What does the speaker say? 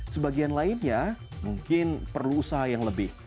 sebagian lainnya mungkin perlu usaha yang lebih